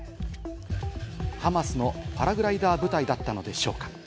ハマスのパラグライダー部隊だったのでしょうか。